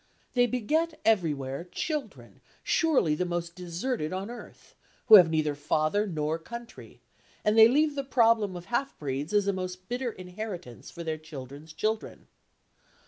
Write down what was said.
They beget everywhere, children, surely the most deserted on earth, who have neither father nor country, and they leave the problem of half breeds as a most bitter inheritance for their children's children.